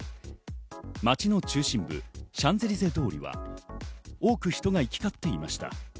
街の中心部、シャンゼリゼ通りは多く人が行きかっていました。